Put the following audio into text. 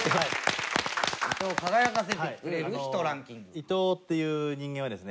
伊藤っていう人間はですね